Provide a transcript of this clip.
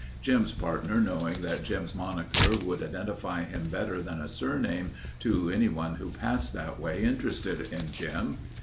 Jim's partner knowing that Jim's moniker would identify him better than a surname to anyone who passed that way interested in Jim.